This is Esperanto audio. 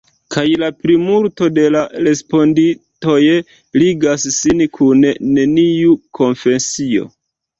Kaj la plimulto de la respondintoj ligas sin kun neniu konfesio.